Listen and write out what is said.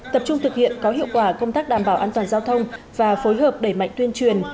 tập trung thực hiện có hiệu quả công tác đảm bảo an toàn giao thông và phối hợp đẩy mạnh tuyên truyền